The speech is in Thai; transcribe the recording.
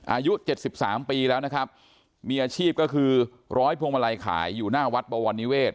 อายุเจ็ดสิบสามปีแล้วนะครับมีอาชีพก็คือร้อยพวงมาลัยขายอยู่หน้าวัดบวรนิเวศ